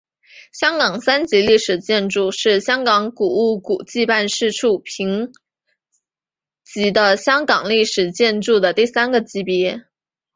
香港三级历史建筑是香港古物古迹办事处评级的香港历史建筑的第三个级别。